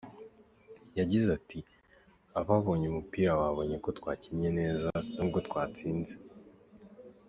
Yagize ati “Ababonye umupira babonye ko twakinnye neza nubwo twatsinze.